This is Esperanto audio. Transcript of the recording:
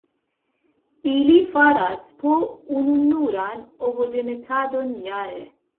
Ili faras po ununuran ovodemetadon jare.